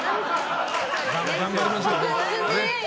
頑張りましょうね。